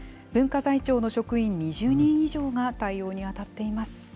文化財庁の職員２０人以上が対応に当たっています。